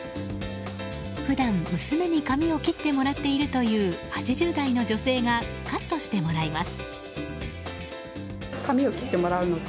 普段、娘に髪を切ってもらっているという８０代の女性がカットしてもらいます。